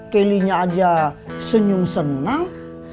kelly nya aja senyum senang